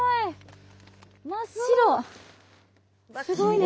すごいね。